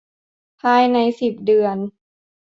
ภายใน สิบ เดือน